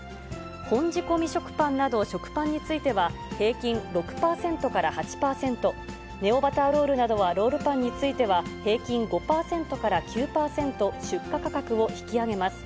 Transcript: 本仕込食パンなど、食パンについては、平均６％から８％、ネオバターロールなどのロールパンについては、平均５％から９％、出荷価格を引き上げます。